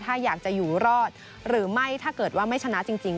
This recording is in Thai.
ถ้าอยากจะอยู่รอดหรือไม่ถ้าเกิดว่าไม่ชนะจริง